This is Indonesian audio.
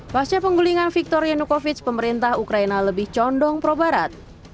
pasnya penggulingan viktor yanukovych pemerintah ukraina lebih condong pro barat